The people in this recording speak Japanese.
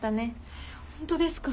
えっホントですか？